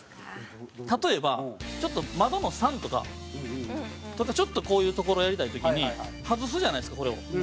例えば、ちょっと、窓の桟とかこういう所をやりたい時に外すじゃないですか、これを。